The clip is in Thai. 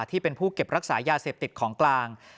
ที่เป็นผู้เก็บรักษายาเสพติดของกลาง